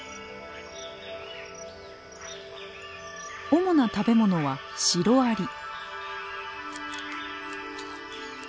主な食べ物はシロアリ。